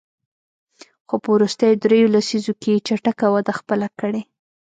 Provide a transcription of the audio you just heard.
خو په وروستیو دریوو لسیزو کې یې چټکه وده خپله کړې.